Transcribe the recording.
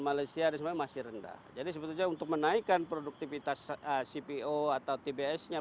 malaysia sebenarnya masih rendah jadi sebetulnya untuk menaikkan produktivitas cpo atau tbsnya